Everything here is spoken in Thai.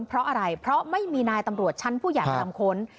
เพราะอะไรเพราะไม่มีนายตำรวจชั้นผู้ใหญ่มารำค้น